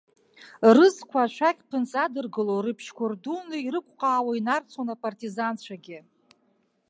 Рызқәа ашәақь ԥынҵа адыргыло рыбжьқәа рдуны ирықәҟаауа инарцон апартизанцәагьы.